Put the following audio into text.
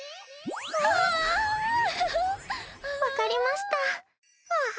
分かりました。